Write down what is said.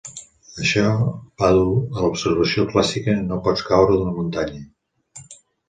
Això va dur a l'observació clàssica "No pots caure d'una muntanya".